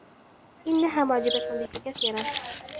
إنّها معجبة بك كثيرا.